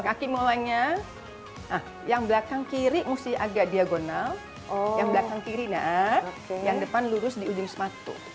kaki mulanya yang belakang kiri mesti agak diagonal yang belakang kiri na yang depan lurus di ujung sepatu